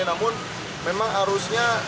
namun memang arusnya